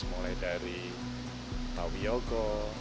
mulai dari pak wiogo